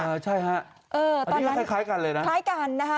ใช่ฮะตอนนี้คล้ายกันเลยนะคล้ายกันนะฮะ